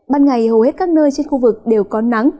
ban ngày hầu hết các nơi trên khu vực đều có nắng